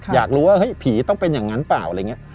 อยากรู้ว่าที่ผีต้องเป็นอย่างนั้นหรือไม่